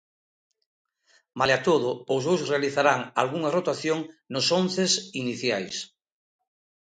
Malia todo, os dous realizarán algunha rotación nos onces iniciais.